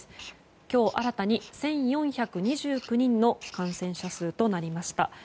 今日、新たに１４２９人の感染者数となりました。